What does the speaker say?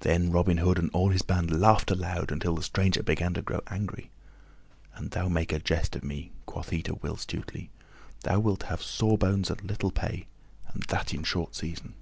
Then Robin Hood and all his band laughed aloud until the stranger began to grow angry. "An thou make a jest of me," quoth he to Will Stutely, "thou wilt have sore bones and little pay, and that in short season."